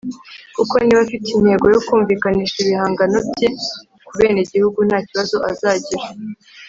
kuko niba afite intego yo kumvikanisha ibihangano bye ku benegihugu nta kibazo azagira,